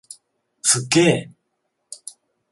すっげー！